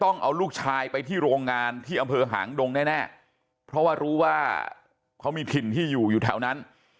ต้องเอาลูกชายไปที่โรงงานที่อำเภอหางดงแน่เพราะว่ารู้ว่าเขามีถิ่นที่อยู่อยู่แถวนั้น